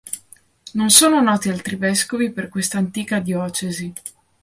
Non sono noti altri vescovi per questa antica diocesi.